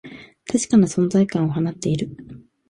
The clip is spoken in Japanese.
確かな存在感を放っている